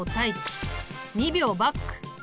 ２秒バック停止。